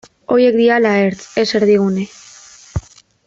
Horiek direla ertz, ez erdigune.